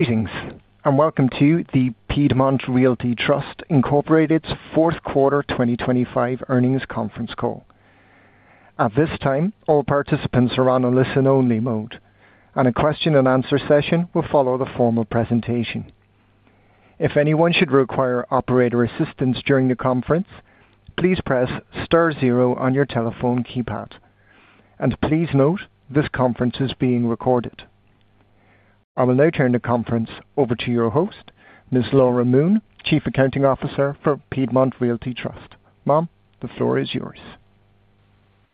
Greetings, and welcome to the Piedmont Realty Trust Inc fourth quarter 2025 earnings conference call. At this time, all participants are on a listen-only mode, and a question-and-answer session will follow the formal presentation. If anyone should require operator assistance during the conference, please press star zero on your telephone keypad. Please note, this conference is being recorded. I will now turn the conference over to your host, Ms. Laura Moon, Chief Accounting Officer for Piedmont Realty Trust. Ma'am, the floor is yours.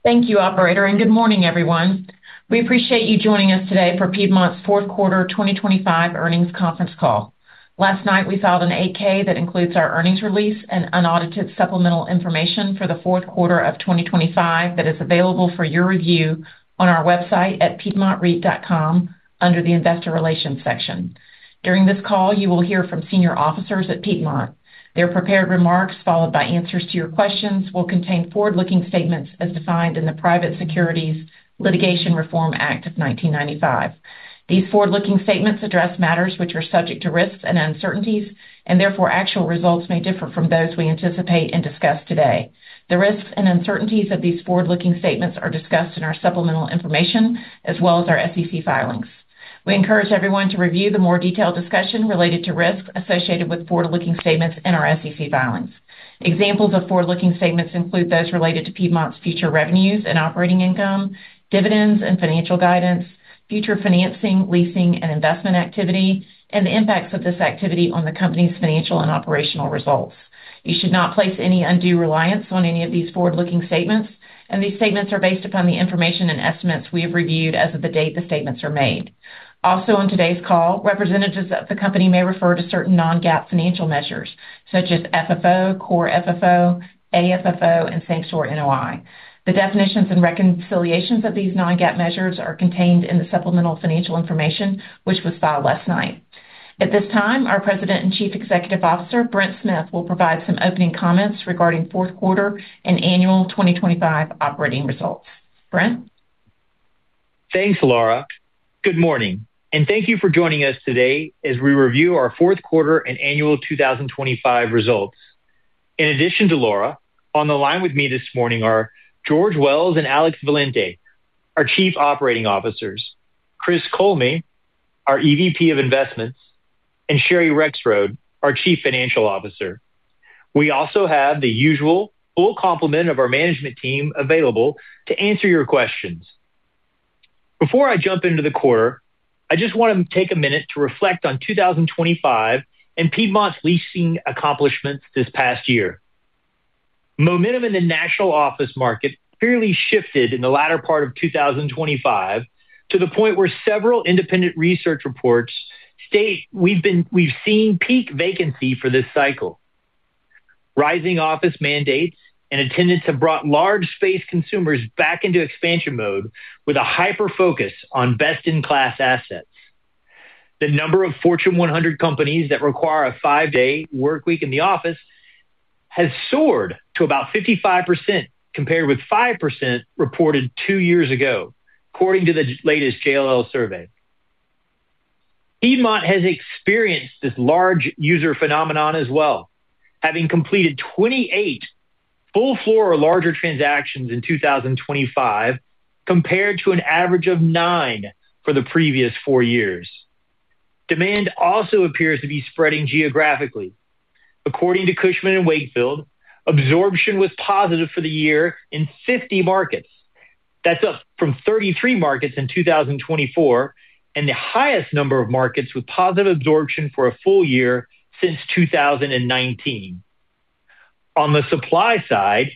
Thank you, operator, and good morning, everyone. We appreciate you joining us today for Piedmont's fourth quarter 2025 earnings conference call. Last night, we filed an 8-K that includes our earnings release and unaudited supplemental information for the fourth quarter of 2025 that is available for your review on our website at piedmontreit.com under the Investor Relations section. During this call, you will hear from senior officers at Piedmont. Their prepared remarks, followed by answers to your questions, will contain forward-looking statements as defined in the Private Securities Litigation Reform Act of 1995. These forward-looking statements address matters which are subject to risks and uncertainties, and therefore actual results may differ from those we anticipate and discuss today. The risks and uncertainties of these forward-looking statements are discussed in our supplemental information as well as our SEC filings. We encourage everyone to review the more detailed discussion related to risks associated with forward-looking statements in our SEC filings. Examples of forward-looking statements include those related to Piedmont's future revenues and operating income, dividends and financial guidance, future financing, leasing, and investment activity, and the impacts of this activity on the company's financial and operational results. You should not place any undue reliance on any of these forward-looking statements, and these statements are based upon the information and estimates we have reviewed as of the date the statements are made. Also, on today's call, representatives of the company may refer to certain non-GAAP financial measures such as FFO, Core FFO, AFFO, and Same Store NOI. The definitions and reconciliations of these non-GAAP measures are contained in the supplemental financial information, which was filed last night. At this time, our President and Chief Executive Officer, Brent Smith, will provide some opening comments regarding fourth quarter and annual 2025 operating results. Brent? Thanks, Laura. Good morning, and thank you for joining us today as we review our fourth quarter and annual 2025 results. In addition to Laura, on the line with me this morning are George Wells and Alex Valente, our Chief Operating Officers, Chris Kollme, our EVP of Investments, and Sherry Rexroad, our Chief Financial Officer. We also have the usual full complement of our management team available to answer your questions. Before I jump into the quarter, I just want to take a minute to reflect on 2025 and Piedmont's leasing accomplishments this past year. Momentum in the national office market clearly shifted in the latter part of 2025, to the point where several independent research reports state we've seen peak vacancy for this cycle. Rising office mandates and attendance have brought large space consumers back into expansion mode with a hyperfocus on best-in-class assets. The number of Fortune 100 companies that require a five-day workweek in the office has soared to about 55%, compared with 5% reported two years ago, according to the latest JLL survey. Piedmont has experienced this large user phenomenon as well, having completed 28 full floor or larger transactions in 2025, compared to an average of nine for the previous four years. Demand also appears to be spreading geographically. According to Cushman & Wakefield, absorption was positive for the year in 50 markets. That's up from 33 markets in 2024, and the highest number of markets with positive absorption for a full year since 2019. On the supply side,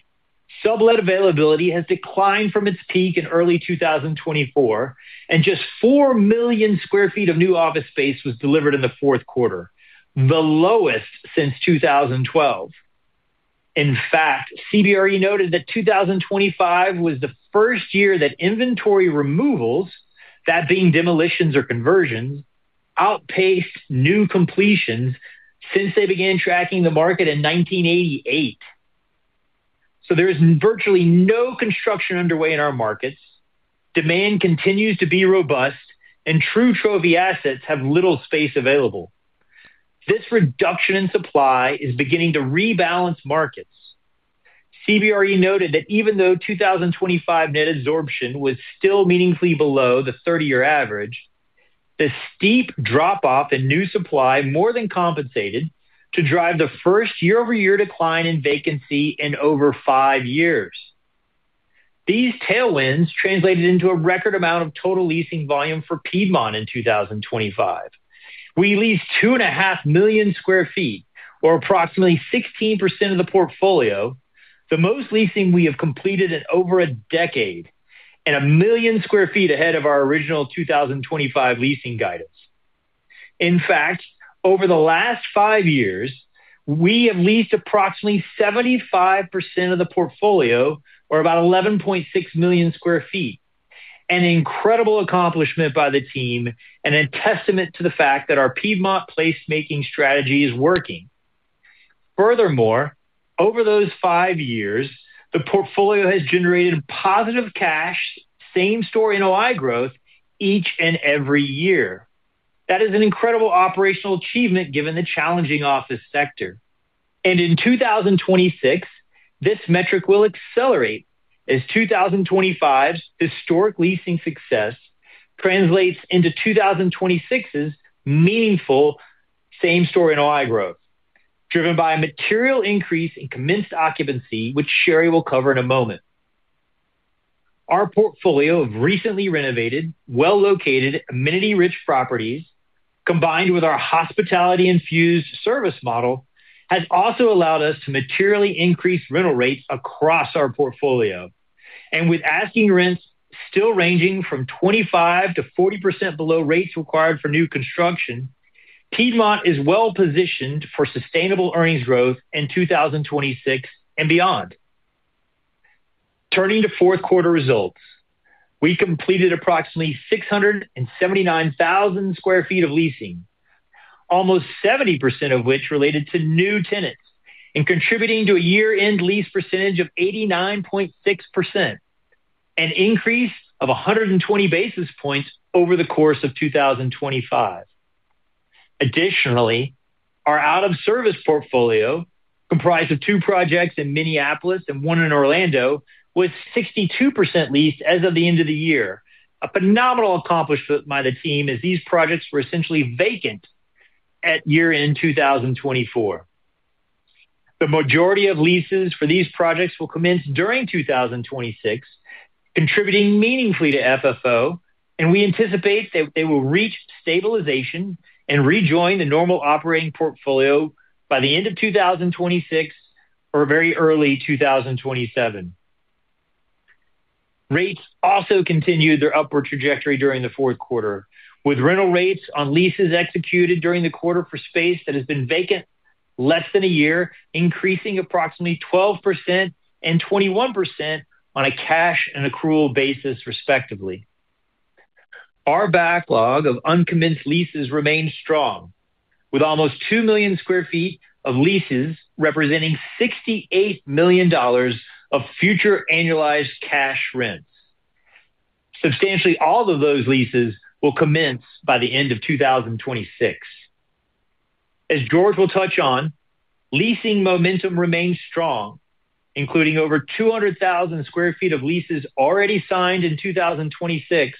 sublet availability has declined from its peak in early 2024, and just 4 million sq ft of new office space was delivered in the fourth quarter, the lowest since 2012. In fact, CBRE noted that 2025 was the first year that inventory removals, that being demolitions or conversions, outpaced new completions since they began tracking the market in 1988. So there is virtually no construction underway in our markets. Demand continues to be robust, and true trophy assets have little space available. This reduction in supply is beginning to rebalance markets. CBRE noted that even though 2025 net absorption was still meaningfully below the 30-year average, the steep drop-off in new supply more than compensated to drive the first year-over-year decline in vacancy in over five years. These tailwinds translated into a record amount of total leasing volume for Piedmont in 2025. We leased 2.5 million sq ft, or approximately 16% of the portfolio, the most leasing we have completed in over a decade, and 1 million sq ft ahead of our original 2025 leasing guidance. In fact, over the last 5 years, we have leased approximately 75% of the portfolio, or about 11.6 million sq ft, an incredible accomplishment by the team and a testament to the fact that our Piedmont placemaking strategy is working. Furthermore, over those five years, the portfolio has generated positive cash, Same Store NOI growth each and every year. That is an incredible operational achievement given the challenging office sector. In 2026, this metric will accelerate as 2025's historic leasing success translates into 2026's meaningful Same Store NOI growth, driven by a material increase in commenced occupancy, which Sherry will cover in a moment. Our portfolio of recently renovated, well-located, amenity-rich properties, combined with our hospitality-infused service model, has also allowed us to materially increase rental rates across our portfolio. With asking rents still ranging from 25%-40% below rates required for new construction, Piedmont is well positioned for sustainable earnings growth in 2026 and beyond. Turning to fourth quarter results, we completed approximately 679,000 sq ft of leasing, almost 70% of which related to new tenants, and contributing to a year-end lease percentage of 89.6%, an increase of 120 basis points over the course of 2025. Additionally, our out-of-service portfolio, comprised of two projects in Minneapolis and one in Orlando, was 62% leased as of the end of the year. A phenomenal accomplishment by the team, as these projects were essentially vacant at year-end 2024. The majority of leases for these projects will commence during 2026, contributing meaningfully to FFO, and we anticipate that they will reach stabilization and rejoin the normal operating portfolio by the end of 2026 or very early 2027. Rates also continued their upward trajectory during the fourth quarter, with rental rates on leases executed during the quarter for space that has been vacant less than a year, increasing approximately 12% and 21% on a cash and accrual basis, respectively. Our backlog of uncommenced leases remains strong, with almost 2 million sq ft of leases, representing $68 million of future annualized cash rents. Substantially all of those leases will commence by the end of 2026. As George will touch on, leasing momentum remains strong, including over 200,000 sq ft of leases already signed in 2026,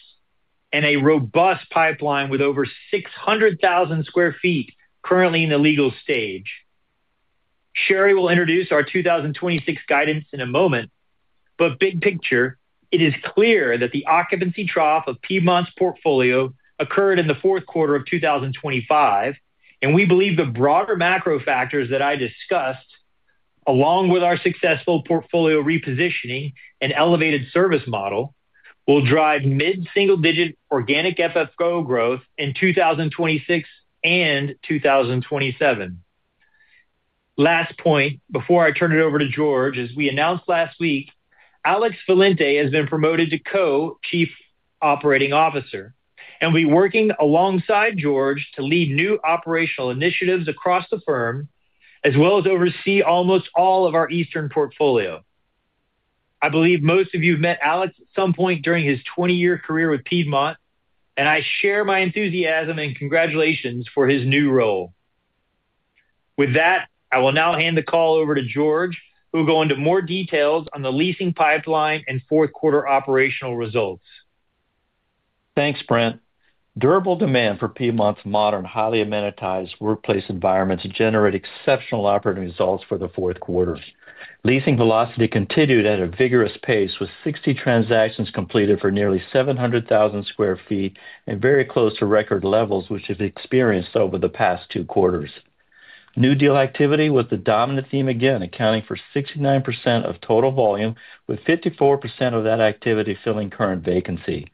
and a robust pipeline with over 600,000 sq ft currently in the legal stage. Sherry will introduce our 2026 guidance in a moment, but big picture, it is clear that the occupancy trough of Piedmont's portfolio occurred in the fourth quarter of 2025, and we believe the broader macro factors that I discussed, along with our successful portfolio repositioning and elevated service model, will drive mid-single-digit organic FFO growth in 2026 and 2027. Last point, before I turn it over to George, as we announced last week, Alex Valente has been promoted to Co-Chief Operating Officer and will be working alongside George to lead new operational initiatives across the firm, as well as oversee almost all of our eastern portfolio. I believe most of you have met Alex at some point during his 20-year career with Piedmont, and I share my enthusiasm and congratulations for his new role. With that, I will now hand the call over to George, who will go into more details on the leasing pipeline and fourth quarter operational results. Thanks, Brent. Durable demand for Piedmont's modern, highly amenitized workplace environments generate exceptional operating results for the fourth quarter. Leasing velocity continued at a vigorous pace, with 60 transactions completed for nearly 700,000 sq ft and very close to record levels, which have experienced over the past two quarters. New deal activity was the dominant theme, again, accounting for 69% of total volume, with 54% of that activity filling current vacancy.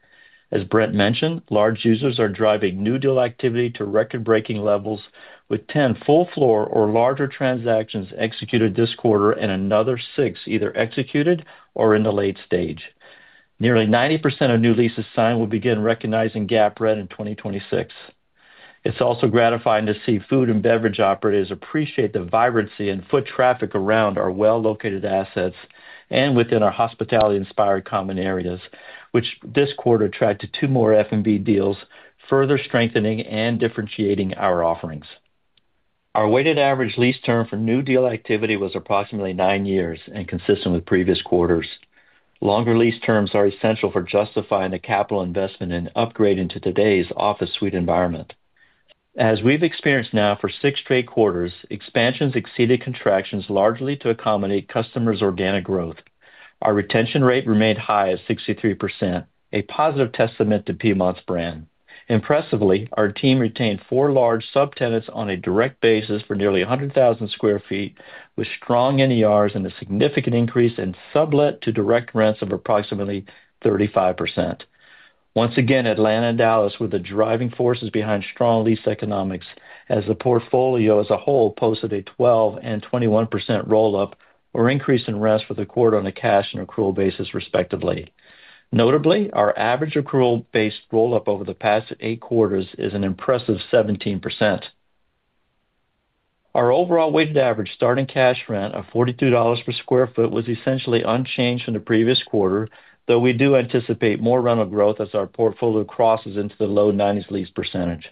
As Brent mentioned, large users are driving new deal activity to record-breaking levels, with 10 full floor or larger transactions executed this quarter and another six either executed or in the late stage. Nearly 90% of new leases signed will begin recognizing GAAP rent in 2026. It's also gratifying to see food and beverage operators appreciate the vibrancy and foot traffic around our well-located assets and within our hospitality-inspired common areas, which this quarter attracted two more F&B deals, further strengthening and differentiating our offerings. Our weighted average lease term for new deal activity was approximately nine years and consistent with previous quarters. Longer lease terms are essential for justifying the capital investment and upgrade into today's office suite environment. As we've experienced now for six straight quarters, expansions exceeded contractions largely to accommodate customers' organic growth. Our retention rate remained high at 63%, a positive testament to Piedmont's brand. Impressively, our team retained four large subtenants on a direct basis for nearly 100,000 sq ft, with strong NERs and a significant increase in sublet to direct rents of approximately 35%. Once again, Atlanta and Dallas were the driving forces behind strong lease economics as the portfolio as a whole posted a 12% and 21% roll-up or increase in rents for the quarter on a cash and accrual basis, respectively. Notably, our average accrual-based roll-up over the past eight quarters is an impressive 17%. Our overall weighted average starting cash rent of $42 per sq ft was essentially unchanged from the previous quarter, though we do anticipate more rental growth as our portfolio crosses into the low 90s lease percentage.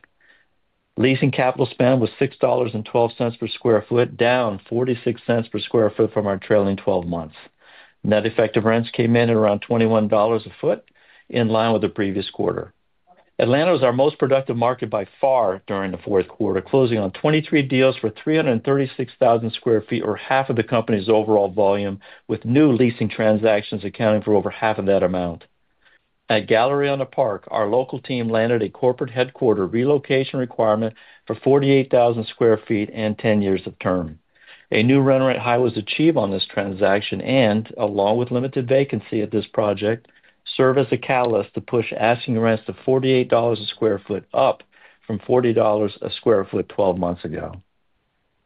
Leasing capital spend was $6.12 per sq ft, down $0.46 per sq ft from our trailing twelve months. Net effective rents came in at around $21 a foot, in line with the previous quarter. Atlanta was our most productive market by far during the fourth quarter, closing on 23 deals for 336,000 sq ft, or half of the company's overall volume, with new leasing transactions accounting for over half of that amount. At Galleria on the Park, our local team landed a corporate headquarter relocation requirement for 48,000 sq ft and 10 years of term. A new run rate high was achieved on this transaction, and along with limited vacancy at this project, serve as a catalyst to push asking rents to $48/sq ft, up from $40/sq ft 12 months ago.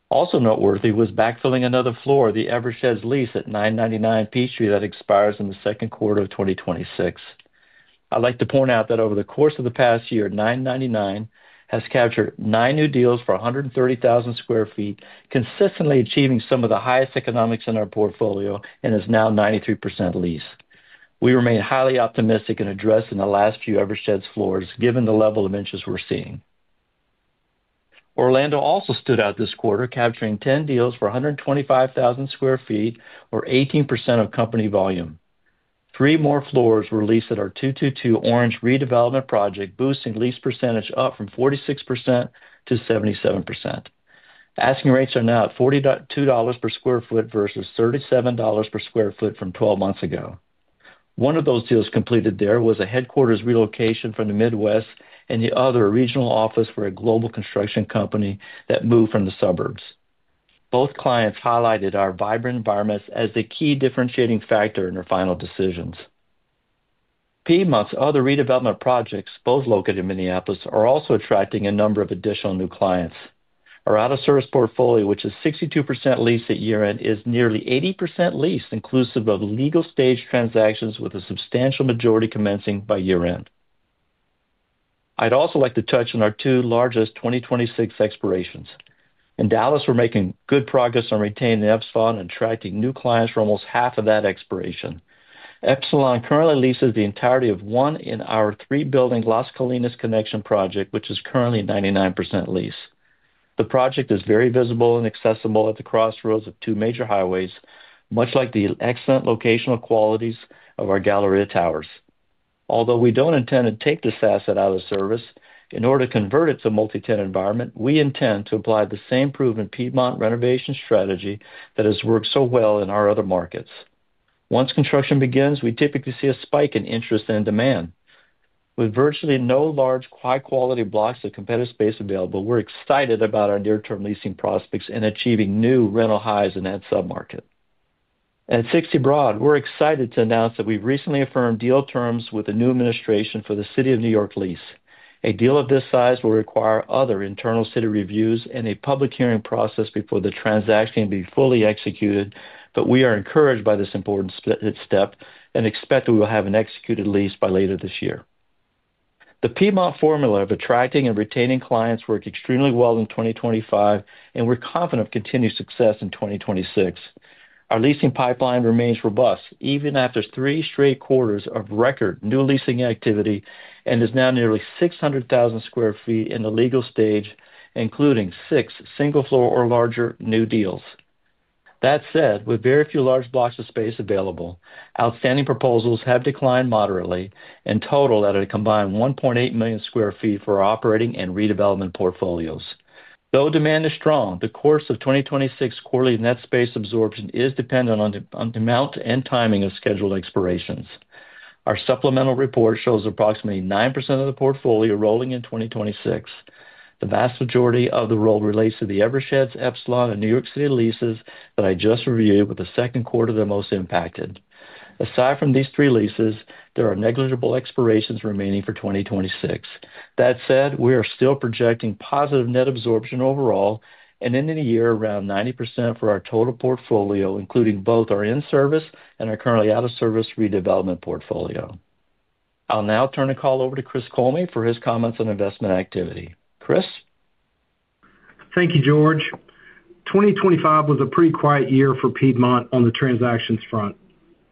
Also noteworthy was backfilling another floor, the Eversheds lease at 999 Peachtree, that expires in the second quarter of 2026. I'd like to point out that over the course of the past year, 999 has captured nine new deals for 130,000 sq ft, consistently achieving some of the highest economics in our portfolio and is now 93% leased. We remain highly optimistic in addressing the last few Eversheds floors, given the level of interest we're seeing. Orlando also stood out this quarter, capturing 10 deals for 125,000 sq ft, or 18% of company volume. Three more floors were leased at our 222 Orange redevelopment project, boosting lease percentage up from 46% to 77%. Asking rates are now at $42 per sq ft versus $37 per sq ft from 12 months ago. One of those deals completed there was a headquarters relocation from the Midwest, and the other, a regional office for a global construction company that moved from the suburbs. Both clients highlighted our vibrant environments as the key differentiating factor in their final decisions. Piedmont's other redevelopment projects, both located in Minneapolis, are also attracting a number of additional new clients. Our out-of-service portfolio, which is 62% leased at year-end, is nearly 80% leased, inclusive of legal stage transactions, with a substantial majority commencing by year-end. I'd also like to touch on our two largest 2026 expirations. In Dallas, we're making good progress on retaining Epsilon and attracting new clients for almost half of that expiration. Epsilon currently leases the entirety of one in our three-building Las Colinas Connection project, which is currently 99% leased. The project is very visible and accessible at the crossroads of two major highways, much like the excellent locational qualities of our Galleria Towers. Although we don't intend to take this asset out of service, in order to convert it to a multi-tenant environment, we intend to apply the same proven Piedmont renovation strategy that has worked so well in our other markets. Once construction begins, we typically see a spike in interest and demand. With virtually no large, high-quality blocks of competitive space available, we're excited about our near-term leasing prospects in achieving new rental highs in that submarket. At 60 Broad, we're excited to announce that we've recently affirmed deal terms with the new administration for the City of New York lease. A deal of this size will require other internal city reviews and a public hearing process before the transaction can be fully executed, but we are encouraged by this important step and expect that we will have an executed lease by later this year. The Piedmont formula of attracting and retaining clients worked extremely well in 2025, and we're confident of continued success in 2026. Our leasing pipeline remains robust, even after three straight quarters of record new leasing activity, and is now nearly 600,000 sq ft in the legal stage, including six single floor or larger new deals. That said, with very few large blocks of space available, outstanding proposals have declined moderately and total at a combined 1.8 million sq ft for our operating and redevelopment portfolios. Though demand is strong, the course of 2026 quarterly net space absorption is dependent on the amount and timing of scheduled expirations. Our supplemental report shows approximately 9% of the portfolio rolling in 2026. The vast majority of the roll relates to the Eversheds, Epsilon, and New York City leases that I just reviewed, with the second quarter the most impacted. Aside from these three leases, there are negligible expirations remaining for 2026. That said, we are still projecting positive net absorption overall and ending the year around 90% for our total portfolio, including both our in-service and our currently out of service redevelopment portfolio. I'll now turn the call over to Chris Kollme for his comments on investment activity. Chris? Thank you, George. 2025 was a pretty quiet year for Piedmont on the transactions front.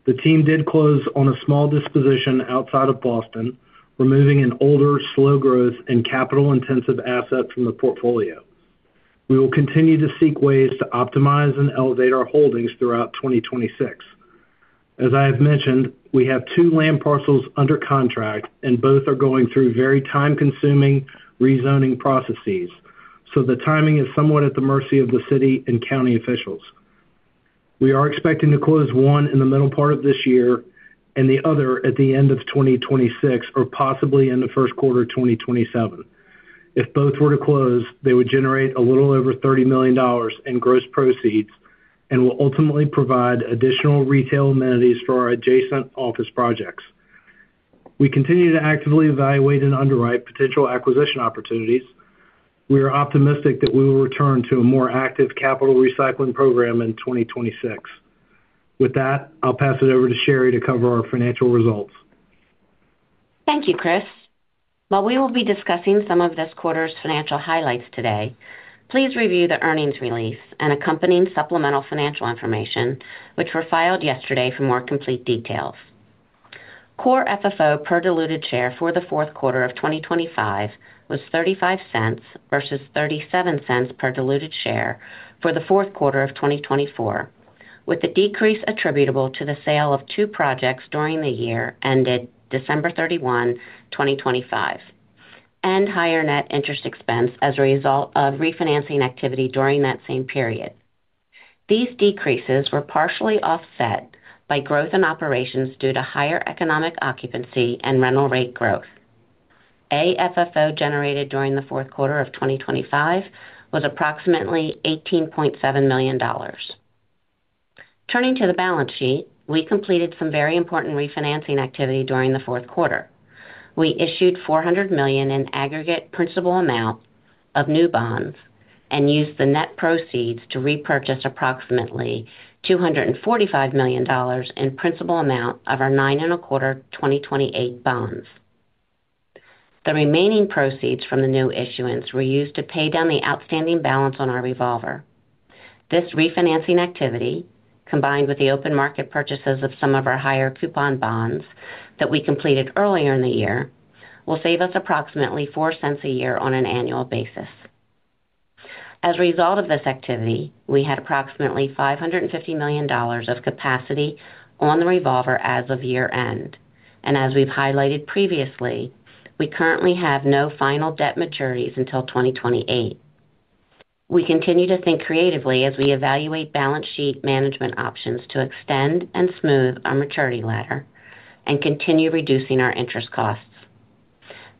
The team did close on a small disposition outside of Boston, removing an older, slow growth and capital-intensive asset from the portfolio. We will continue to seek ways to optimize and elevate our holdings throughout 2026. As I have mentioned, we have two land parcels under contract, and both are going through very time-consuming rezoning processes, so the timing is somewhat at the mercy of the city and county officials. We are expecting to close one in the middle part of this year and the other at the end of 2026, or possibly in the first quarter of 2027. If both were to close, they would generate a little over $30 million in gross proceeds and will ultimately provide additional retail amenities for our adjacent office projects. We continue to actively evaluate and underwrite potential acquisition opportunities. We are optimistic that we will return to a more active capital recycling program in 2026. With that, I'll pass it over to Sherry to cover our financial results. Thank you, Chris. While we will be discussing some of this quarter's financial highlights today, please review the earnings release and accompanying supplemental financial information, which were filed yesterday for more complete details. Core FFO per diluted share for the fourth quarter of 2025 was $0.35 versus $0.37 per diluted share for the fourth quarter of 2024, with the decrease attributable to the sale of two projects during the year ended December 31, 2025, and higher net interest expense as a result of refinancing activity during that same period. These decreases were partially offset by growth in operations due to higher economic occupancy and rental rate growth. AFFO generated during the fourth quarter of 2025 was approximately $18.7 million. Turning to the balance sheet, we completed some very important refinancing activity during the fourth quarter. We issued $400 million in aggregate principal amount of new bonds and used the net proceeds to repurchase approximately $245 million in principal amount of our 9.25% 2028 bonds. The remaining proceeds from the new issuance were used to pay down the outstanding balance on our revolver. This refinancing activity, combined with the open market purchases of some of our higher coupon bonds that we completed earlier in the year, will save us approximately $0.04 a year on an annual basis. As a result of this activity, we had approximately $550 million of capacity on the revolver as of year-end. As we've highlighted previously, we currently have no final debt maturities until 2028. We continue to think creatively as we evaluate balance sheet management options to extend and smooth our maturity ladder and continue reducing our interest costs.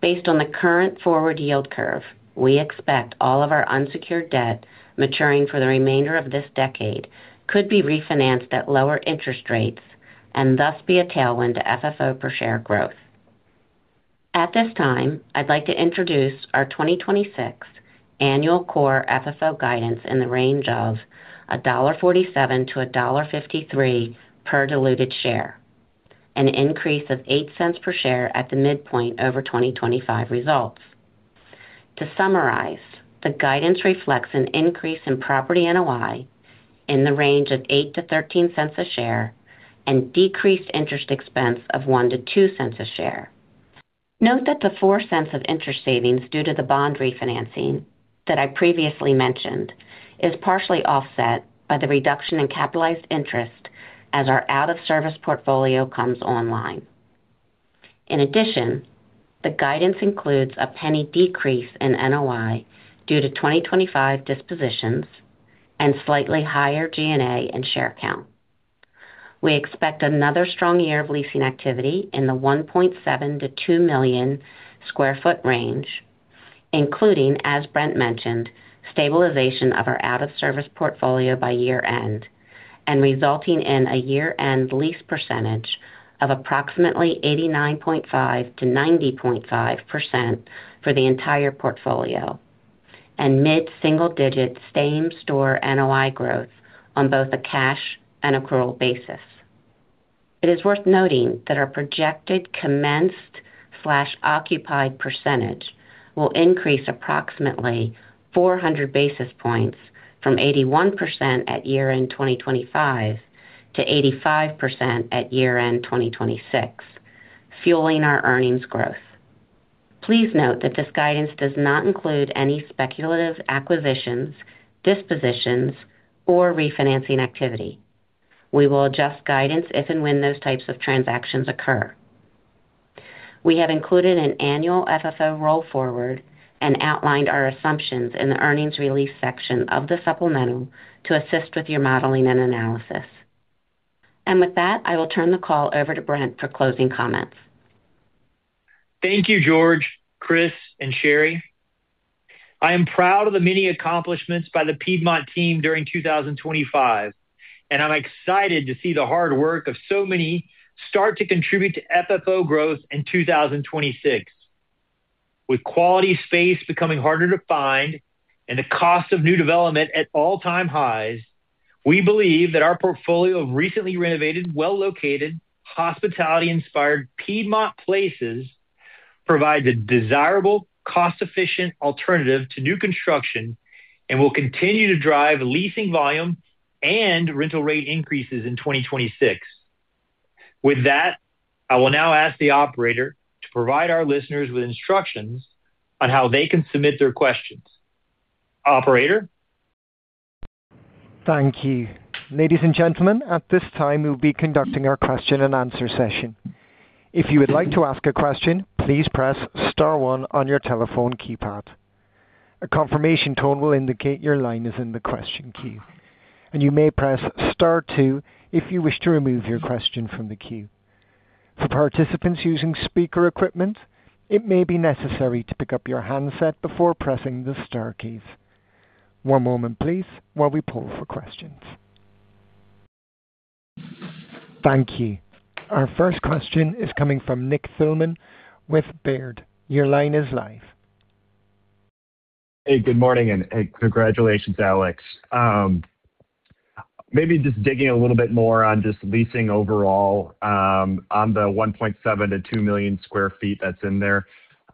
Based on the current forward yield curve, we expect all of our unsecured debt maturing for the remainder of this decade could be refinanced at lower interest rates and thus be a tailwind to FFO per share growth. At this time, I'd like to introduce our 2026 annual Core FFO guidance in the range of $1.47-$1.53 per diluted share, an increase of $0.08 per share at the midpoint over 2025 results. To summarize, the guidance reflects an increase in property NOI in the range of $0.08-$0.13 a share and decreased interest expense of $0.01-$0.02 a share. Note that the $0.04 of interest savings due to the bond refinancing that I previously mentioned, is partially offset by the reduction in capitalized interest as our out-of-service portfolio comes online. In addition, the guidance includes a $0.01 decrease in NOI due to 2025 dispositions and slightly higher G&A and share count. We expect another strong year of leasing activity in the 1.7 million-2 million sq ft range, including, as Brent mentioned, stabilization of our out-of-service portfolio by year-end and resulting in a year-end lease percentage of approximately 89.5%-90.5% for the entire portfolio and mid-single digit Same Store NOI growth on both a cash and accrual basis. It is worth noting that our projected commenced/occupied percentage will increase approximately 400 basis points from 81% at year end 2025 to 85% at year end 2026, fueling our earnings growth. Please note that this guidance does not include any speculative acquisitions, dispositions, or refinancing activity. We will adjust guidance if and when those types of transactions occur. We have included an annual FFO roll forward and outlined our assumptions in the earnings release section of the supplemental to assist with your modeling and analysis. With that, I will turn the call over to Brent for closing comments. Thank you, George, Chris, and Sherry. I am proud of the many accomplishments by the Piedmont team during 2025, and I'm excited to see the hard work of so many start to contribute to FFO growth in 2026. With quality space becoming harder to find and the cost of new development at all-time highs, we believe that our portfolio of recently renovated, well-located, hospitality-inspired Piedmont places provide the desirable, cost-efficient alternative to new construction and will continue to drive leasing volume and rental rate increases in 2026. With that, I will now ask the operator to provide our listeners with instructions on how they can submit their questions. Operator? Thank you. Ladies and gentlemen, at this time, we'll be conducting our question-and-answer session. If you would like to ask a question, please press star one on your telephone keypad. A confirmation tone will indicate your line is in the question queue, and you may press star two if you wish to remove your question from the queue. For participants using speaker equipment, it may be necessary to pick up your handset before pressing the star keys. One moment please, while we pull for questions. Thank you. Our first question is coming from Nick Thillman with Baird. Your line is live. Hey, good morning, and congratulations, Alex. Maybe just digging a little bit more on just leasing overall, on the 1.7 million-2 million sq ft that's in there.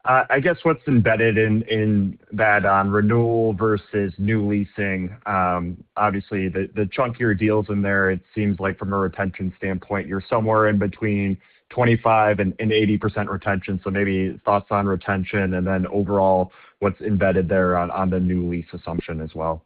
I guess what's embedded in that on renewal versus new leasing, obviously, the chunkier deals in there, it seems like from a retention standpoint, you're somewhere in between 25% and 80% retention. So maybe thoughts on retention, and then overall, what's embedded there on the new lease assumption as well?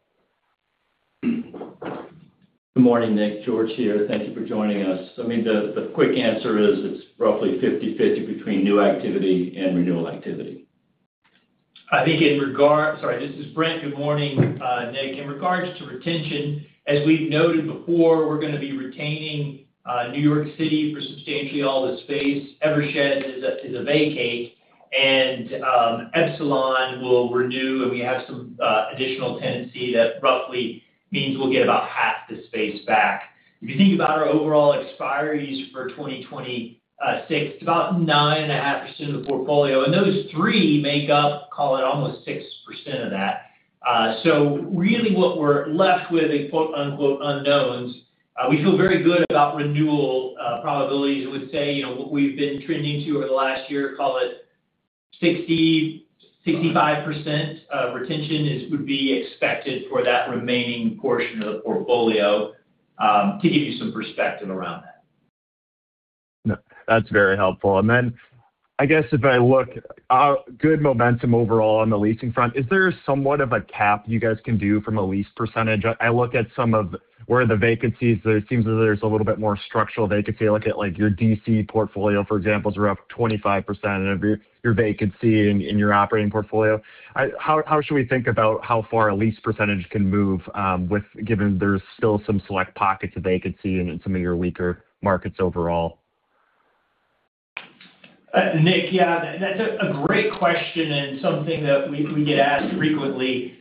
Good morning, Nick. George here. Thank you for joining us. I mean, the quick answer is it's roughly 50/50 between new activity and renewal activity. Sorry, this is Brent. Good morning, Nick. In regards to retention, as we've noted before, we're gonna be retaining New York City for substantially all the space. Eversheds is a vacate, and Epsilon will renew, and we have some additional tenancy that roughly means we'll get about half the space back. If you think about our overall expiries for 2026, it's about 9.5% of the portfolio, and those three make up, call it, almost 6% of that. So really, what we're left with are quote unquote, "unknowns." We feel very good about renewal probabilities. I would say, you know, what we've been trending to over the last year, call it 60%-65% retention would be expected for that remaining portion of the portfolio, to give you some perspective around that. No, that's very helpful. Then, I guess if I look good momentum overall on the leasing front, is there somewhat of a cap you guys can do from a lease percentage? I look at some of where the vacancies, it seems as though there's a little bit more structural vacancy. I look at, like, your D.C. portfolio, for example, is around 25% of your vacancy in your operating portfolio. How should we think about how far a lease percentage can move, with given there's still some select pockets of vacancy in some of your weaker markets overall? Nick, yeah, that's a great question and something that we get asked frequently.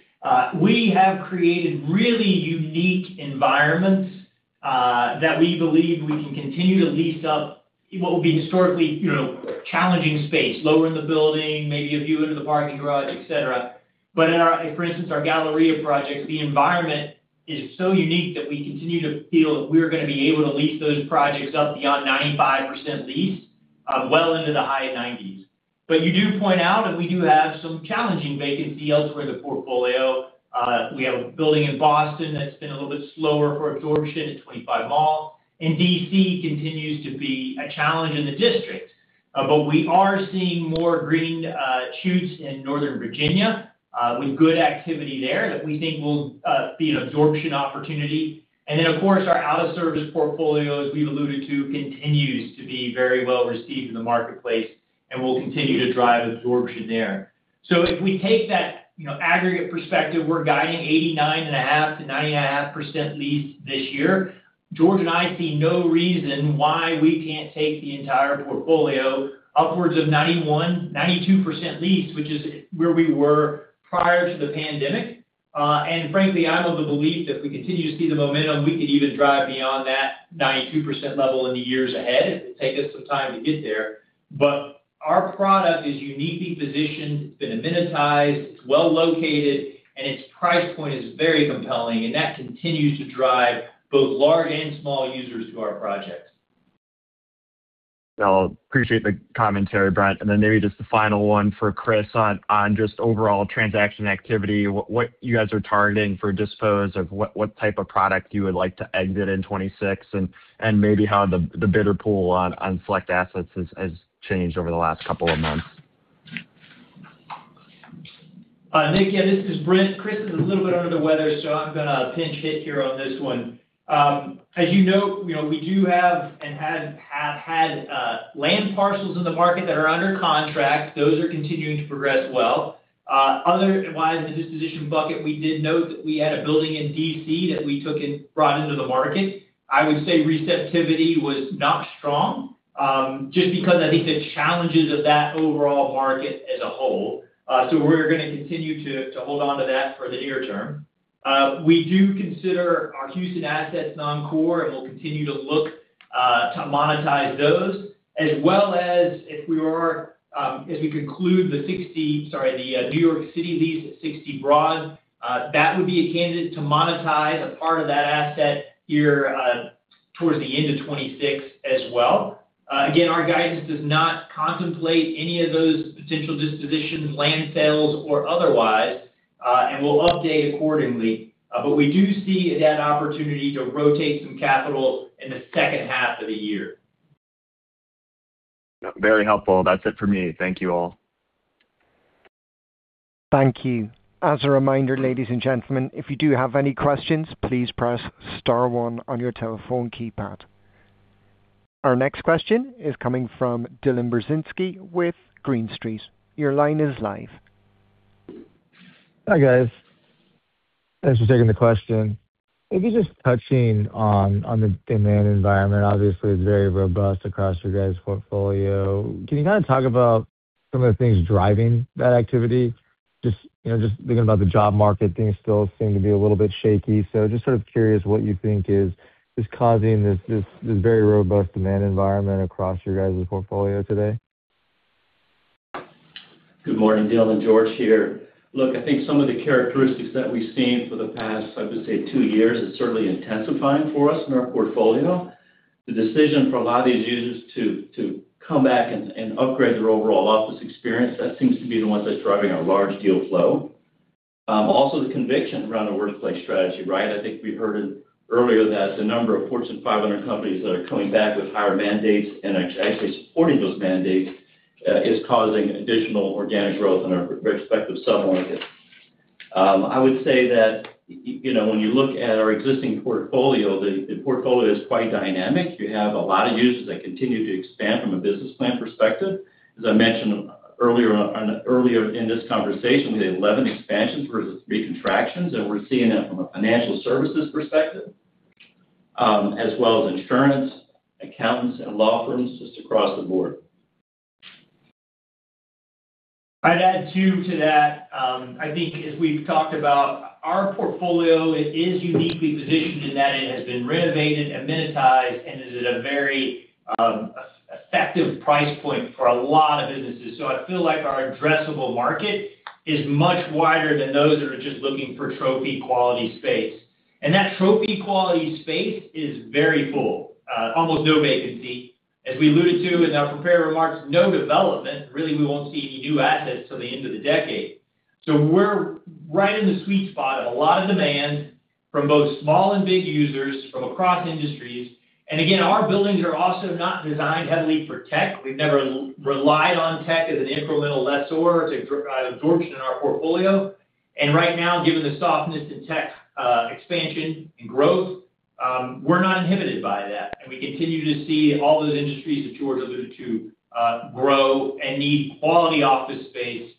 We have created really unique environments that we believe we can continue to lease up what would be historically, you know, challenging space, lower in the building, maybe a view into the parking garage, et cetera. But in our, for instance, our Galleria projects, the environment is so unique that we continue to feel that we're gonna be able to lease those projects up beyond 95% leased, well into the high 90%. But you do point out that we do have some challenging vacant deals for the portfolio. We have a building in Boston that's been a little bit slower for absorption at 25 Mall, and D.C. continues to be a challenge in the District. But we are seeing more green shoots in Northern Virginia with good activity there that we think will be an absorption opportunity. And then, of course, our out-of-service portfolio, as we've alluded to, continues to be very well received in the marketplace and will continue to drive absorption there. So if we take that, you know, aggregate perspective, we're guiding 89.5%-90.5% leased this year. George and I see no reason why we can't take the entire portfolio upwards of 91%-92% leased, which is where we were prior to the pandemic. And frankly, I'm of the belief that if we continue to see the momentum, we could even drive beyond that 92% level in the years ahead. It will take us some time to get there, but our product is uniquely positioned. It's been amenitized, it's well located, and its price point is very compelling, and that continues to drive both large and small users to our projects. Well, appreciate the commentary, Brent. Then maybe just the final one for Chris on overall transaction activity, what you guys are targeting for dispose of, what type of product you would like to exit in 2026, and maybe how the bidder pool on select assets has changed over the last couple of months. Nick, yeah, this is Brent. Chris is a little bit under the weather, so I'm gonna pinch hit here on this one. As you know, you know, we do have and have had land parcels in the market that are under contract. Those are continuing to progress well. Otherwise, in the disposition bucket, we did note that we had a building in D.C. that we took and brought into the market. I would say receptivity was not strong, just because I think the challenges of that overall market as a whole. So we're gonna continue to hold on to that for the near term. We do consider our Houston assets non-core, and we'll continue to look to monetize those, as well as if we were, as we conclude the 60... Sorry, the New York City lease at 60 Broad, that would be a candidate to monetize a part of that asset here, towards the end of 2026 as well. Again, our guidance does not contemplate any of those potential dispositions, land sales or otherwise, and we'll update accordingly. But we do see that opportunity to rotate some capital in the second half of the year. Very helpful. That's it for me. Thank you all. Thank you. As a reminder, ladies and gentlemen, if you do have any questions, please press star one on your telephone keypad. Our next question is coming from Dylan Burzinski with Green Street. Your line is live. Hi, guys. Thanks for taking the question. Maybe just touching on the demand environment, obviously, it's very robust across your guys' portfolio. Can you kind of talk about some of the things driving that activity? Just, you know, just thinking about the job market, things still seem to be a little bit shaky. So just sort of curious what you think is causing this very robust demand environment across your guys' portfolio today. Good morning, Dylan. George here. Look, I think some of the characteristics that we've seen for the past, I would say, two years is certainly intensifying for us in our portfolio. The decision for a lot of these users to come back and upgrade their overall office experience, that seems to be the one that's driving our large deal flow. Also the conviction around the workplace strategy, right? I think we heard it earlier, that the number of Fortune 500 companies that are coming back with higher mandates and are actually supporting those mandates is causing additional organic growth in our respective submarkets. I would say that you know, when you look at our existing portfolio, the portfolio is quite dynamic. You have a lot of users that continue to expand from a business plan perspective. As I mentioned earlier on, earlier in this conversation, we had 11 expansions versus three contractions, and we're seeing that from a financial services perspective, as well as insurance, accountants and law firms, just across the board. I'd add, too, to that, I think as we've talked about, our portfolio is uniquely positioned in that it has been renovated, amenitized, and is at a very effective price point for a lot of businesses. So I feel like our addressable market is much wider than those that are just looking for trophy quality space. And that trophy quality space is very full, almost no vacancy. As we alluded to in our prepared remarks, no development. Really, we won't see any new assets till the end of the decade. So we're right in the sweet spot of a lot of demand from both small and big users from across industries. And again, our buildings are also not designed heavily for tech. We've never relied on tech as an incremental driver to drive absorption in our portfolio. And right now, given the softness in tech, expansion and growth, we're not inhibited by that. And we continue to see all those industries that George alluded to, grow and need quality office space,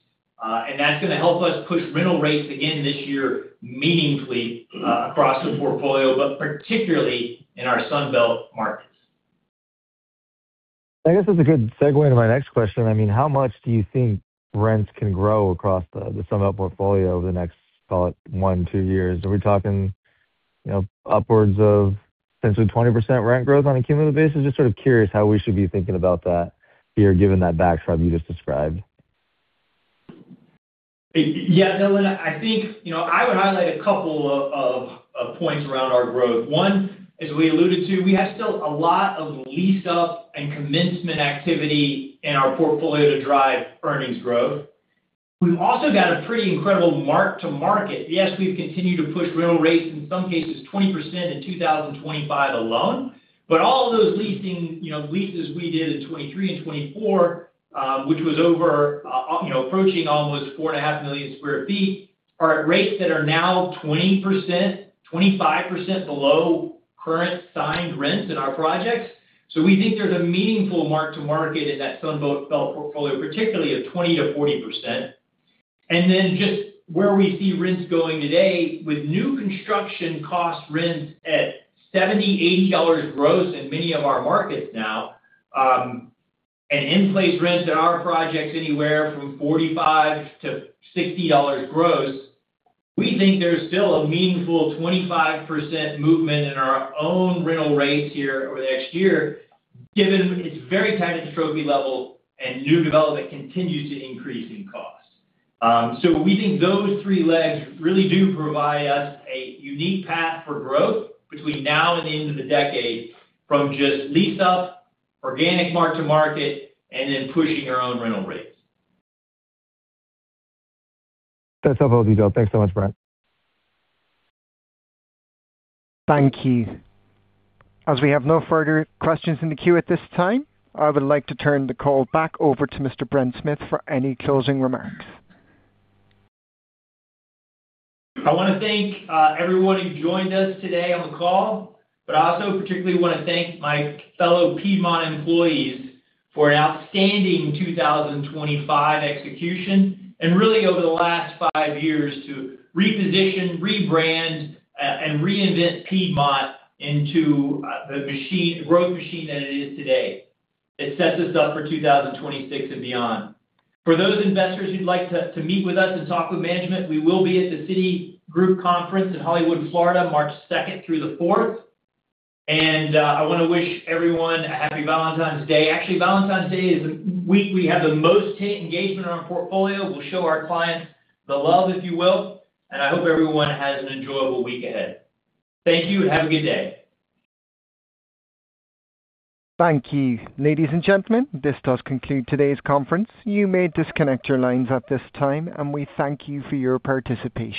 and that's gonna help us push rental rates again this year, meaningfully, across the portfolio, but particularly in our Sunbelt markets. I guess that's a good segue into my next question. I mean, how much do you think rents can grow across the Sunbelt portfolio over the next, call it, one, two years? Are we talking, you know, upwards of potentially 20% rent growth on a cumulative basis? Just sort of curious how we should be thinking about that here, given that backdrop you just described. Yeah, Dylan, I think, you know, I would highlight a couple of points around our growth. One, as we alluded to, we have still a lot of lease-up and commencement activity in our portfolio to drive earnings growth. We've also got a pretty incredible mark-to-market. Yes, we've continued to push rental rates, in some cases, 20% in 2025 alone, but all of those leasing, you know, leases we did in 2023 and 2024, you know, approaching almost 4.5 million sq ft, are at rates that are now 20%, 25% below current signed rents in our projects. So we think there's a meaningful mark-to-market in that Sunbelt portfolio, particularly of 20%-40%. Just where we see rents going today, with new construction cost rents at $70, $80 gross in many of our markets now, and in-place rents at our projects anywhere from $45-$60 gross, we think there's still a meaningful 25% movement in our own rental rates here over the next year, given it's very tight at the trophy level, and new development continues to increase in cost. So we think those three legs really do provide us a unique path for growth between now and the end of the decade, from just lease up, organic mark-to-market, and then pushing our own rental rates. That's helpful, as usual. Thanks so much, Brent. Thank you. As we have no further questions in the queue at this time, I would like to turn the call back over to Mr. Brent Smith for any closing remarks. I wanna thank everyone who joined us today on the call, but I also particularly wanna thank my fellow Piedmont employees for an outstanding 2025 execution, and really, over the last five years, to reposition, rebrand, and reinvent Piedmont into a growth machine that it is today. It sets us up for 2026 and beyond. For those investors who'd like to meet with us and talk with management, we will be at the Citigroup Conference in Hollywood, Florida, March 2nd through 4th. And I wanna wish everyone a Happy Valentine's Day. Actually, Valentine's Day is the week we have the most tenant engagement on our portfolio. We'll show our clients the love, if you will, and I hope everyone has an enjoyable week ahead. Thank you, and have a good day. Thank you. Ladies and gentlemen, this does conclude today's conference. You may disconnect your lines at this time, and we thank you for your participation.